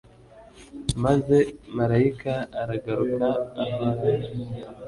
Maze marayika aragaruka aho ari